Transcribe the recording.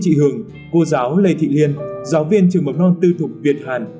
như chị hường cô giáo lê thị liên giáo viên trường mầm non tư thuộc việt hàn